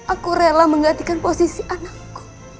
aku rela menggantikan posisi anakku